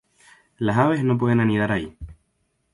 Las aves no pueden anidar ahí.